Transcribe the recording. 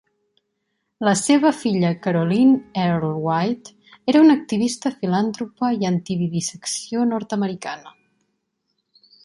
La seva filla Caroline Earle White era una activista filantropa i antivivisecció nord-americana.